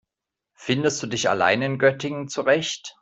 Findest du dich allein in Göttingen zurecht?